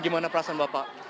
gimana perasaan bapak